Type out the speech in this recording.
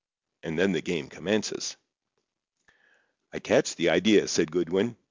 And then the game commences." "I catch the idea," said Goodwin.